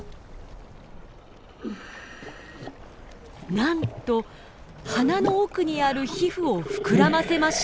なんと鼻の奥にある皮膚を膨らませました。